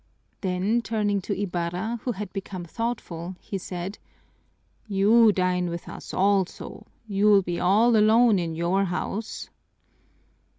Then turning to Ibarra, who had become thoughtful, he said, "You dine with us also, you'll be all alone in your house."